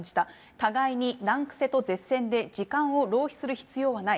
互いに難癖と舌戦で時間を浪費する必要はない。